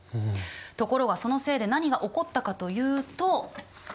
ところがそのせいで何が起こったかというと。